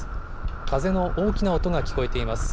風の大きな音が聞こえています。